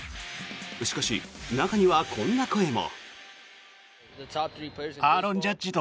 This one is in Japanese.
しかし、中にはこんな声も。